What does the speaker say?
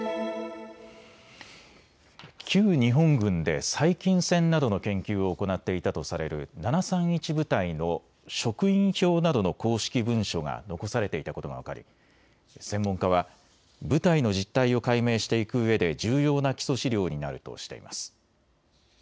旧日本軍で細菌戦などの研究を行っていたとされる７３１部隊の職員表などの公式文書が残されていたことが分かり専門家は部隊の実態を解明していくうえで重要な基礎資料になるとしています。